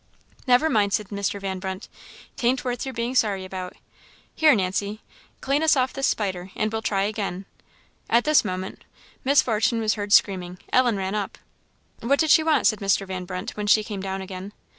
"Never mind," said Mr. Van Brunt " 'tain't worth your being sorry about. Here Nancy clean us off this spider, and we'll try again." At this moment Miss Fortune was heard screaming; Ellen ran up. "What did she want?" said Mr. Van Brunt, when she came down again.